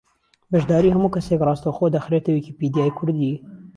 بەشداریی ھەموو کەسێک ڕاستەوخۆ دەخرێتە ویکیپیدیای کوردی